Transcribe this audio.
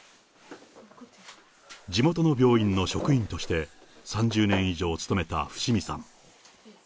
地元の病院の職員として、３０年以上勤めた伏見さん。